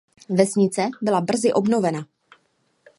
Vesnice byla brzy obnovena.